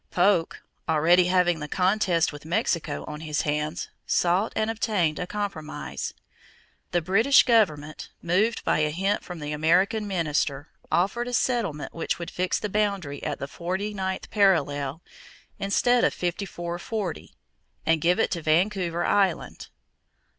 Polk, already having the contest with Mexico on his hands, sought and obtained a compromise. The British government, moved by a hint from the American minister, offered a settlement which would fix the boundary at the forty ninth parallel instead of "fifty four forty," and give it Vancouver Island.